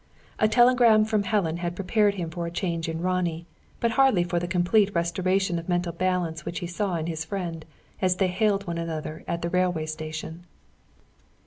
A telegram from Helen had prepared him for a change in Ronnie, but hardly for the complete restoration of mental balance which he saw in his friend, as they hailed one another at the railway station.